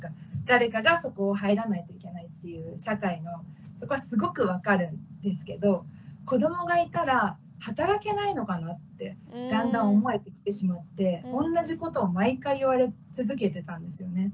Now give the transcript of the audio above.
誰かがそこを入らないといけないっていう社会のそこはすごく分かるんですけど子どもがいたら働けないのかなってだんだん思えてきてしまっておんなじことを毎回言われ続けてたんですよね。